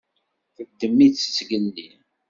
Teddem-itt zgelli.